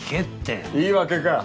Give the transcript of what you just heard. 言い訳かよ？